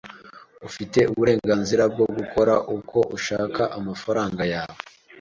Ufite uburenganzira bwo gukora uko ushaka amafaranga yawe.